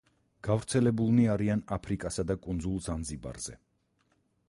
გავრცელებულნი არიან აფრიკასა და კუნძულ ზანზიბარზე.